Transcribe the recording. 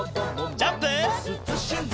ジャンプ！